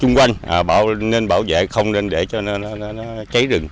nên bảo vệ không nên để cho nó cháy rừng